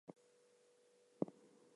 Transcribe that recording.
When will he come home, Marmee?